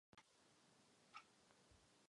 Žije střídavě v Denveru a v Moskvě.